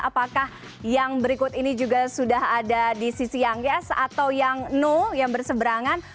apakah yang berikut ini juga sudah ada di sisi yang yes atau yang no yang berseberangan